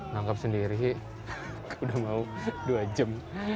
nangkep sendiri udah mau dua jam